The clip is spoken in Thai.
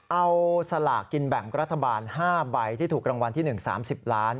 เอาสลากกินแบ่งรัฐบาล๕ใบที่ถูกรางวัลที่๑๓๐ล้าน